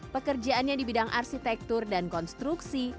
pekerjaannya di bidang arsitektur dan konstruksi